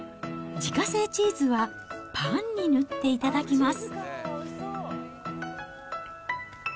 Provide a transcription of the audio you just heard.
自家製チーズはパンに塗って頂きます。